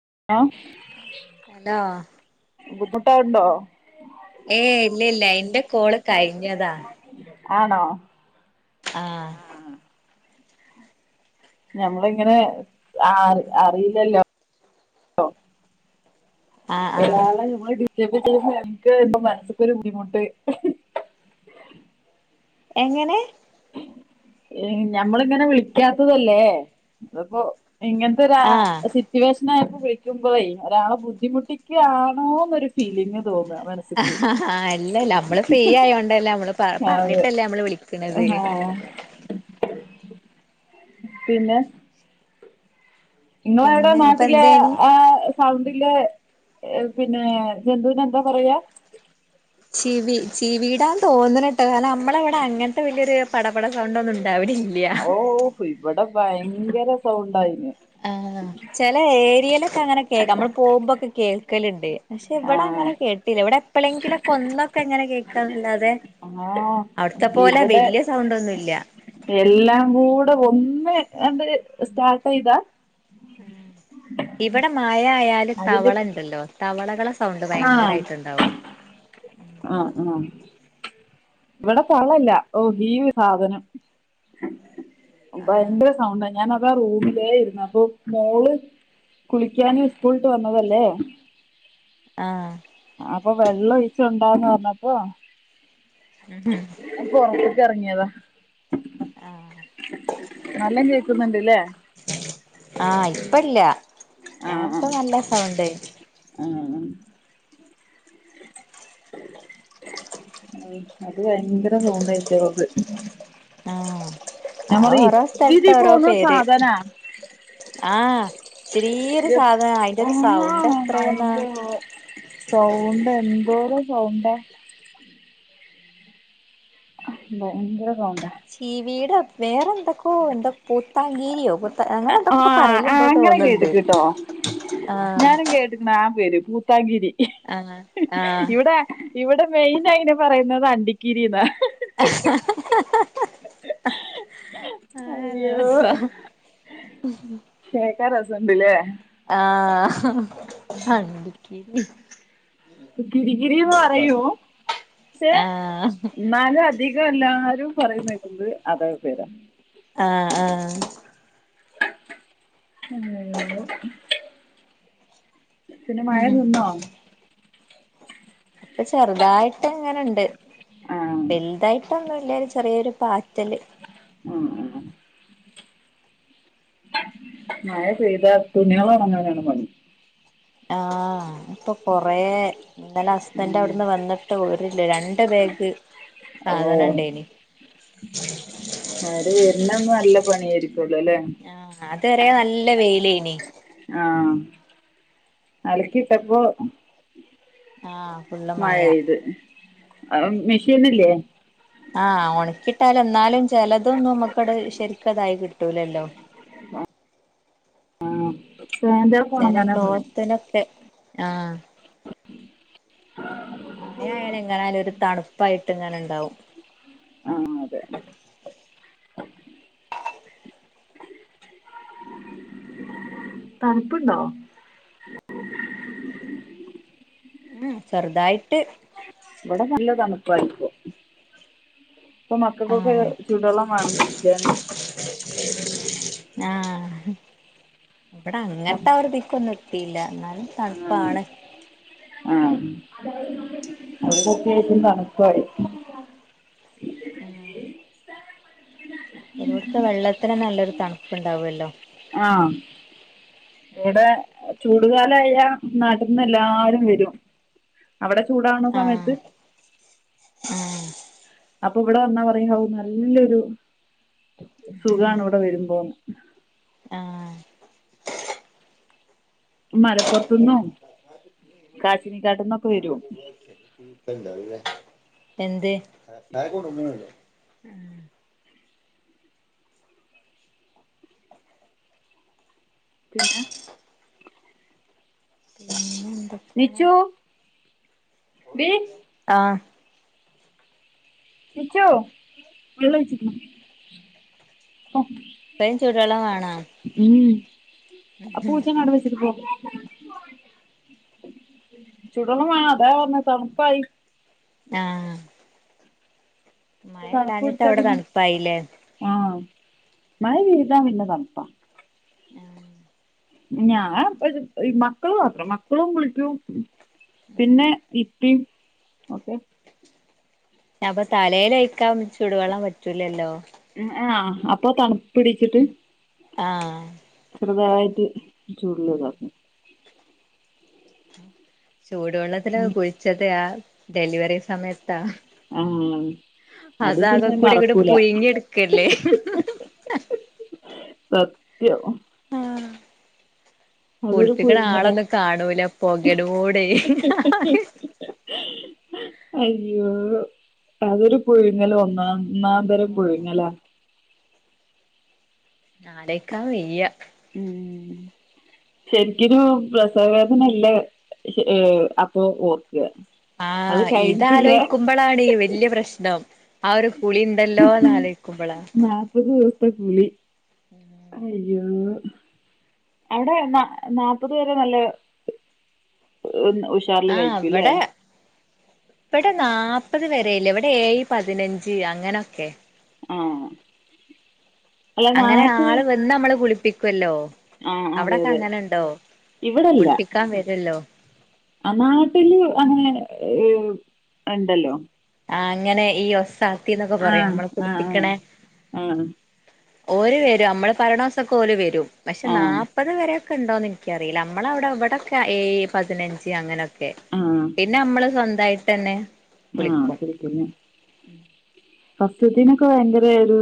ഏഹ് law ഏണ്ടോ ഏ ഇല്ല ഇല്ല എന്റെ കോള് കഴിഞ്ഞതാ ആണോ ആ ഞമ്മളിങ്ങനെ അ അറിയില്ലല്ലോ ആഹ് ആഹ് ഒരാളെ ഞമ്മള് ഡ്യു എനിക്ക് അവ് മൻസ്സ്ക്കൊരു ബുദ്ധിമുട്ട് എങ്ങനെ ഞമ്മള്ങ്ങനെ വിൾക്ക്യാത്തതല്ലേ അത്പ്പോ ഇങ്ങൻത്തൊരാ ആഹ് സിറ്റുവേഷൻ ആയ് വിൾക്കുമ്പൊളെ ഒരാളെ ബുദ്ധിമുട്ടിക്കാണോന്നൊരു ഫീലിംഗ് ആ അല്ലല്ല അമ്മള് ഫ്രീ ആയോണ്ടല്ലേ നമ്മള് പ അതെ പർഞ്ഞിട്ടല്ലേ നമ്മള് വിളിക്ക്‌ ആ പിന്നെ ഇങ്ങളേടെ പിന്നെ അപ്പൊ നാട്ടിലെ എന്തേന് ആ സൗണ്ടിലേ ഏ പിന്നെ ജന്തുനെ എന്താ പറയാ ചിവി ചിവീടാൻ തോന്നണട്ടെ കാരണം നമ്മളെവിടെ അങ്ങനത്തെ വലിയൊരു പടപട സൗണ്ട് ഒന്നുംല്ല ഓ ഇവിടെ ഭയങ്കര സൗണ്ടായി ആ ചില ഏരിയയിലൊക്കെ അങ്ങനെ ഒക്കെ നമ്മള് പോകുമ്പോൾ ഒക്കെ കേൾക്കലുണ്ട് പക്ഷെ ഇവടെ ആഹ് അങ്ങനെ കേട്ടില്ല ഇവടെ എപ്പഴെങ്കിലൊക്കെ ഒന്നൊക്കെ എങ്ങനെ കേക്കാന്നല്ലാതെ ആഹ് അവിടത്തെ പോലെ ഇവിടെ ബലിയ സൗണ്ട ഒന്നുംല്ല എല്ലാം കൂടെ ഒന്ന് സ്റ്റാർട്ട് ചെയ്താ ആ ഇവിടെ മായ ആയാല് അതിന്റെ തവള ഇണ്ടല്ലോ തവളകളെ സൗണ്ട് ഭയങ്കരയിട്ട്ണ്ടാവും ആ ആ ഇവിടെ തവള ഇല്ല ഈഒരുസാധനം ആഹ് ഭയങ്കര സൗണ്ട് ആയിരുന്നു അതാ ഞാൻ റൂമിലെ ഇരുന്നേ കുളിക്കാനും സ്കൂൾ വിട്ടു വന്നതല്ലേ ആ... വന്നപ്പോ ഉം ഇറങ്ങിയതാ ആഹ് നല്ലോണം കേൾക്കുണ്ടല്ലേ ആ ഇപ്പല്ല ആഹ് നേരത്തെ ആഹ് നല്ല സൗണ്ട് ആയിരുന്നു ഉം അത് ഭയങ്കര നോബ് ആയിട്ട് ഓൾക്ക് ആഹ് ഞാൻ അത് പറയും ഓരോ സ്ഥലത്ത് ഇത്തിരി ഓരോ പോന്ന പേര് സാധനാ ആഹ് ചെറിയൊരു എ സാധനം അയിന്റെ ഒരു ങ്ങ സൗണ്ട് എത്രയെന്നാ ഇന്ത സൗണ്ട് എന്തോരോ സൗണ്ടാ ഭയങ്കര സൗണ്ട ചീവീടോ വേറെ എന്തൊക്കെയോ എന്താ പൂത്താൻകീരിയോ? അഹ് ആ അങ്ങനെ കേട്ടക്കുന്ന കേട്ടോ ആഹ് ഞാനും കേട്ടക്കുന്നൻ പേരും പുത്തകിരി ആഹ ആഹ ഇവിടെ മെയിൻ അയിന് പറയുന്നത് അണ്ടിക്കിരി എന്നാ ഹാ ഹാ ഹാ അയ്യോ കേൾക്കാൻ രസമുണ്ടല്ലേ അഹ് അണ്ടിക്കിരി കിരി കിരി എന്നു പറയും പക്ഷെ ആഹ് എന്നാലും അധികം എല്ലാരും പറയുന്നകേൾക്കാണ് അതെ പേരാണ് ആഹ ആഹ ഉം പിന്നെ മഴ നിന്നോ അപ്പൊ ചെറുതായിട്ട് എങ്ങനുണ്ട് ആഹ് വലുതായിട്ടൊന്നും ഇല്ല ചെറിയൊരു പാറ്റൽ ഉം മഴ പെയ്താൽ തുണികൾ ഉണങ്ങാനാണ് പണി ആഹാ, ഇപ്പൊ കുറെ ഇന്നലെ ഹസ്ബൻറ് അവിടുന്ന് വന്നിട്ട് ഒരു രണ്ട് രണ്ടും ബാഗിക്ക് ഓ സാധനം ഇണ്ടേനി അവരുവരുന്ന അന്ന് നല്ല പണിയായിരിക്കും ആഹാ അതുവരെ നല്ല വെയിലായിനി ആഹാ അലക്കീട്ടപ്പോ ആഹ മഴ ഇത് ആഹാ മെഷീനില്ലേ ആ ഉണക്കീട്ടായാലും എന്നാലും ചിലതൊന്നും നമുക്കിവിടെ ശരിക്കായി കിട്ടൂല്ലല്ലോ ഏ ട്രിവാൻഡ്രം പോണംന്ന് ചെല പറഞ്ഞ പോയ് ക്ലോത്തിനൊക്കെ ആഹ് മഴയായാലും എങ്ങനൊയാലും ഒരു തണുപ്പായിട്ട് ഇങ്ങനെ ഇണ്ടാവും ആഹ് [inaudible] [inaudible] തണുപ്പ്ണ്ടോ ഉം ചെറുതായിട്ട് ഇവിടെ നല്ല തണുപ്പായിപ്പോ ഇപ്പൊ മക്കക്കോക്കെ ആഹ് ചുടള്ളം വേണം കുളിക്കാന് ആഹ് ഇബടെ അങ്ങൻത്തെ ആ ഒരു ഇതീക്കൊന്നും എത്ത് ഇല്ല എന്നാലും ആഹ് തണ്പ്പാണ് ഇവിടത്യാശം തണുപ്പായി ഉം ഒരോട്ത്തെ വെള്ളത്തിന് നല്ലൊരു തണ്പ്പ്ണ്ടാവല്ലോ ആഹ് ഈടെ ചൂടുകാലായ നാട്ടിന്ന് എല്ലാരും വെരും അവടെ ചൂടാവണ ആഹ് സമയത്ത് [unintelligible] അപ്പൊ ഇവിടെ വന്നാ പറയും നല്ലൊരു സുഖാണ് ഇവിടെ വരുമ്പോന്ന് ആഹ് മലപ്പോറത്ത്ന്നും കാച്ചി നിക്കാട്ടിന്നൊക്കെ വെരും [inaudible] എന്തേ പിന്ന ന്നെ എന്തൊക്കാണ് ബി ആഹ് കിച്ചൂ വെള്ളോയിച്ച്ക്ക്‌ണോ കൊറേ ചൂടെള്ളം വേണം ഉം ആ പൂച്ചേനെ അവ്ടെ വെച്ചിട്ട് പോ ചുടെള്ളം വേണോ അതാ പറഞ്ഞ തണുപ്പായി ആഹ് മഴ ഇല്ലാഞ്ഞിട്ട് തണുപ്പുടിച്ച അവിടെ പിന്നെ തണുപ്പായില്ലേ ആഹ് മഴപെയ്താ പിന്നെ തണ്പ്പാ [inaudible] ഞാൻ ഒരു മക്കളൊക്കെ മക്കള്ളും കുളിയ്ക്കും പിന്നെ ഇക്ക് പി ഓക്കെ അപ്പൊ തലേലൊഴിക്കാൻ ചുടുവെള്ളം പറ്റൂലല്ലോ. ആഹ് അപ്പൊ തണുപ്പടിച്ചിട്ട് ആഹ് ചെറുതായിട്ട് [unintelligible] ചൂടുവെള്ളത്തില് കുഴിച്ചത് ആ ഡെലിവറി സമയ ആഹ് അതാകെ കൂടി ങ്ട്ട് പുഴുങ്ങിട്ക്കല്ലേ ഹ് ഹ് ഹ് ഹ് സത്യം ആഹ് അതൊരു പുഴുങ്ങലാ കാണൂല ഹ് പൊകേടൂടെ ഹ് ഹ് ഹ് [inaudible] അയ്യോ അതൊരു പഴുങ്ങല് ഒന്നാ ന്നാന്തരം പുഴുങ്ങലാ നാടക്കാ വെയ്യ ഉം ശരിക്കരു പ്രസവ വേദനല്ല അപ്പൊ ഓർ ആഹ് ഇതലോചിക്കുമ്പോളാണ് വല്യ പ്രശ്നം ആ ഒരു കുളി ഉണ്ടല്ലോന്ന് ആലോചിക്കുമ്പോളാ പ്പകുളി ഉം അവിടെ നാല്പത് വരെ നല്ല ഒന്ന് ആഹ് ഇവിടെ. ഇവിടെ നാപ്പ മുപ്പത് വരെല്ലേ. ഇവിടെ ഏഴ് പതിനഞ്ച് അങ്ങനൊക്കെ ആഹ് അങ്ങനെ ആൾ വന്നു നമ്മളെ കുളിപ്പിക്കുവല്ലോ ആ അതെ അവിടൊക്കെ അതെ അങ്ങനെണ്ടോ ഇവിടെ അല്ല ആ നാട്ടില് അങ്ങനെ ഏ എണ്ടല്ലോ ആ അങ്ങനെ ഈ ഒസാത്തിന്നൊക്കെ ആ പറയാം നമ്മളെ ആ കുളിപ്പിക്കണേ ആ ഓര് വരും നമ്മള് പരണോസൊക്കെ ഓല് വരും പക്ഷെ ആ നാല്പ്പത് വരെ ക്കൊ ഉണ്ടോന്ന് ഇൻക്കറിയില്ല. അമ്മളവിടെ ഇവിടക്കെ ഏഴ് പതിനഞ്ച് അങ്ങനക്കെ കെ ആ പിന്നെ അമ്മള് സ്വന്തായിട്ട്ന്നെ ആഹ് കുളിക്കുലെ. ഫസ്റ്റ്തത്തിനൊക്കെ ഭയങ്കര ഒരു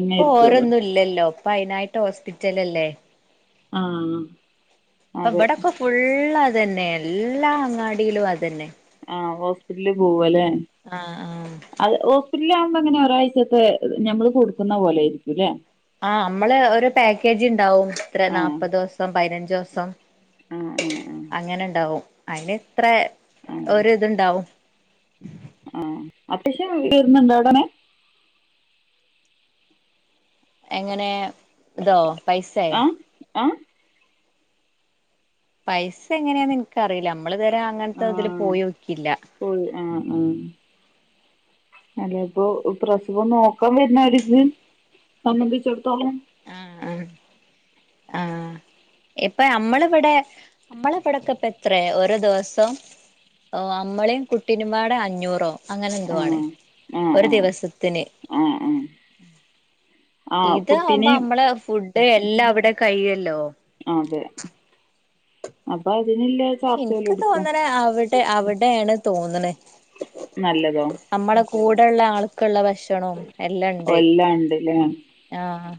ഇപ്പൊ ഓരോന്നുല്ലല്ലോ. പ്പയ്നായിട്ട് ഹോസ്പിറ്റലല്ലേ ആഹ് പ്പൊവിടക്ക ഫുള്ളതന്നെ എല്ലാ അങ്ങാടിയിലും അതന്നെ ആ് ഹോസപിറ്റലില് പോവ അലെ ആഹ് ആഹ് തുല്ലാകുമ്പോ എങ്ങനെ ഒരാഴ്ചത്തെ ഞമ്മള് കൊടുക്കുന്ന പോലെ ആയിരിക്കുംല്ലേ ആ മ്മള് ഒരു പാക്കേജ്ണ്ടാവും ഇത്ര നാല്പ്പതൂസം പയ്നഞ്ചൂസം ആഹ് ആഹ് അ അയ്ന് ഇത്ര ഒരുത്ണ്ടാവും ആഹ് അത്യാവശ്യം വരുന്നുണ്ടോ അവിടനെ എങ്ങനെ ഇതോ പൈസേ അ പൈസ എങ്ങനെയാന്ന് ഇൻക്കറീല മ് നമ്മള് തരെ അങ്ങൻത്തെതില് ആഹ് പോയോക്കില്ല പോയി അല്ലെ ഇപ്പൊ പ്രസവം നോക്കാൻ വരുന്നവര് സംബന്ധിച്ചിട ആഹ് ആഹ് ആ ഇപ്പ നമ്മള ഇവിടെ നമ്മളെ ഇവിടെക്കപ്പ എത്ര ഓരോ ദിവസം ഓ അമ്മളീം കുട്ടിനുംപാട് അഞ്ഞൂറോ അങ്ങനെ എന്തുവാണ് ഒരു ദിവസ എ എ ഇതാവുമ്പോ മ്മള് ഫുഡ് എല്ലാം അവിടെ കഴല്ലോ അതെ. അപ്പൊ അതിനില്ല പക്ഷെ ചാർജ് ഓല് ഇൻക്ക് എടുക്കും തോന്നണ അവിടെ അവിടെയാണ് തോന്നണെ നല്ലതോ കൂടെള്ള ആൾക്ള്ള ഭ ക്ഷണും എല്ലാണ്ട്. എല്ലാം ഉണ്ട്ല്ലേ ആഹ്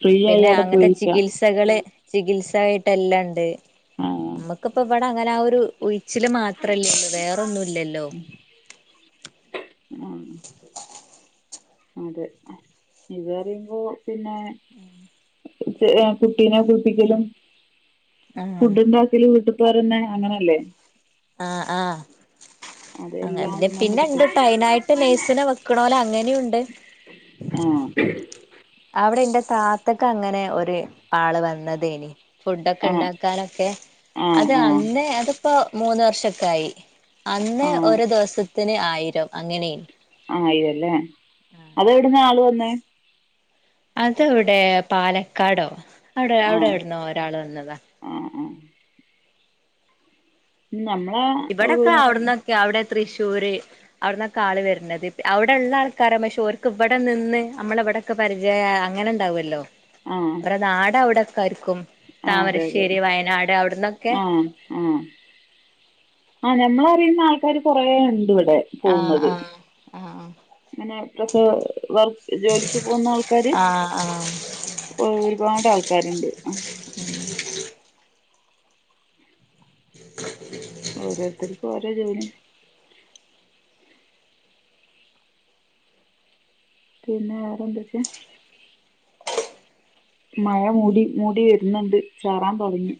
ഫ്രീ ആയി പിന്നെ അവിടെ അങ്ങൻത്തെ പോയിരിക്കാം ചികിത്സകള് ചികിത്സായിട്ട് എല്ലണ്ട്. ആഹ് നമ്മുക്കിപ്പ ഇവിടെ അങ്ങനെ ആ ഒരു ഉഴിച്ചില് മാ ത്രല്ലേള്ളെ വേറൊന്നുല്ലല്ലോ അ അതെ ഇത് പറിയുമ്പോ പിന്നെ എ കുട്ടീനെ കുളിപ്പിക്കലും, ആഹ് ഫുഡ്ണ്ടാക്കലും വീട്ട പെറുന്ന അങ്ങനല്ലേ ആ ആ അങ്ങേ അതെല്ലാം പിന്നെ അവിടുന്ന് തന്നെ പിന്നെ കിട്ടും ണ്ട്ട്ടോ അയ്നായ്ട്ട് നേഴ്സ്ന വെക്കണോല അങ്ങനെയു അ അവിടെ എന്റതാത്തക്ക് അങ്ങനെ ഒരു ആള് വന്നതേനി ഫുഡൊക്കെ ആ ഉണ്ടാക്കാനൊക്കെ ആ അത് അന്നേ അതിപ്പോ മൂന്ന് വർഷൊക്കെ ആയി ആ അന്ന് ഒരു ദെവസത്തിന് ആയിരം അങ്ങനേനി ആയിരംല്ലേ അതെവിട്ന്ന ആള് വന്നേ അത് ഇവിടെ പാലക്കാടോ അവിടെ ആ അവിടെ എവിടെന്നോ ഒരാള് വന്നതാ ആ ഉം ഇവിടെക്കെ അവിട്ന്നൊക്കെ അവിടെ തൃഷ് തൂര് അവിടെന്നൊക്ക ആള് വരുന്ണത് അവിടടെള്ള ആൾക്കാരാ പക്ഷോർക്ക് ഇവിടെ നിന്ന് അമ്മളവിടെക്ക പരിചയായ അങ്ങനെണ്ടാവൊല്ലോ ആ ഓരെ ന്നാട് അവ്ടക്കർക്കും അതെ അതെ താമരശ്ശേരി വയനാട് അവ്ടന്നൊക്കെ ആ ആ ആ ഞമ്മളറിയുന്ന ആൾക്കാര് കൊറേ ഇണ്ട് ഇവ്ടെ ആഹ് പോകുന്നത് ആഹ് ആഹ് അങ്ങനെ പ്രസ് വർക്ക് ജോലിക്ക് പോകുന്ന ആൾക്കാര് ആഹ് ആഹ് ഒരുപാട് ആൾക്കാരുണ്ട് അ [inaudible] ഓരോരുത്തർക്കും ഓരോ ജോലിം പിന്നെ വേറെന്തക്കെ മഴ മൂടി പിന്നെ മൂടി വര്ന്ന്ണ്ട് ചാറാൻ തൊടങ്ങി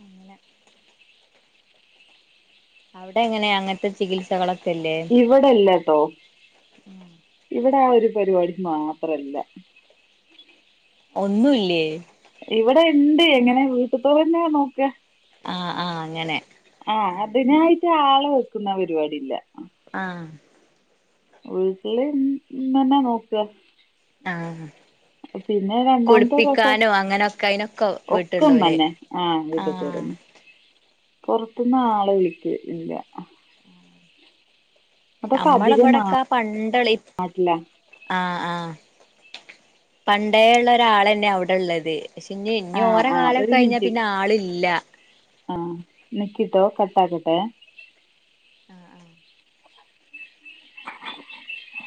അങ്ങനെ അവിടെ എങ്ങനെ അങ്ങൻത്തെ ചികിത്സകളൊക്കെ ഇല്ലേ ഇവടെല്ലട്ടോ ഇ [unintelligible] ട ആ ഒരു പരിപാടി മാത്രല്ല ഒന്നുംല്ലേ ഇവടെ ഇണ്ട് ഇങ്ങനെ വീട്ട്ത്തോലന്നെ നോക്കാ ആഹ് ആഹ് അങ്ങനെ പക്ഷേ ആളെ വെക്കുന്നാ പരിപാടില്ല ആ വീട്ട്ല് നിന്ന് നിന്നന്നെ നോക്കാ ആ പിന്നെ രണ്ടാമത്തെ പ്രസവ [unintelligible] അങ്ങനൊക്കെ അയിനൊക്കെ [inaudible] വീട്ടുള്ളോല് ഒക്കമ്മന്നെ ആഹ് ആഹ് വീട്ട്ത്തോലന്നെ പൊറത്ത്ന്ന് ആളെ വിളിക്കലില്ല നമ്മള ഇവിടെക്ക ആ പണ്ടൊളി നാട്ടിലാ ആ ആ പണ്ടേള്ള ഒരാളന്നെ അവുടെള്ളത് പക്ഷെ ഇഞ്ഞ് ഇഞ് ആ ഓരെ ആ കാലക്കെ കഴിഞ്ഞാ പിന്നെ ആളില്ല ആഹ് നിക്കിട്ടോ കട്ടാക്കട്ടെ ആഹ് ആഹ് [inaudible]